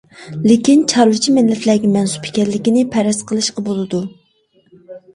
لېكىن چارۋىچى مىللەتلەرگە مەنسۇپ ئىكەنلىكىنى پەرەز قىلىشقا بولىدۇ.